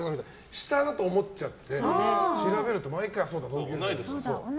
下だと思っちゃってて、調べると毎回、そうか、同級生だって。